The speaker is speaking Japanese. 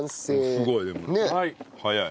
すごいでも早い。